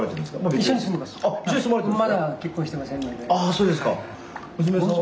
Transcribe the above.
そうですか。